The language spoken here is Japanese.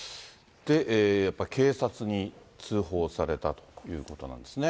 警察に通報されたということなんですね。